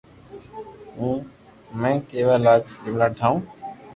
ھون ھمو ڪيوا جملا ٺاھو